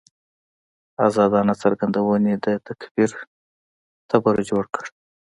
ازادانه څرګندونې د تکفیر تبر جوړ کړ.